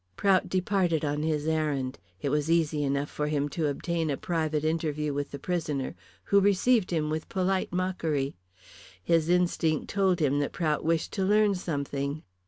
Prout departed on his errand. It was easy enough for him to obtain a private interview with the prisoner, who received him with polite mockery. His instinct told him that Prout wished to learn something.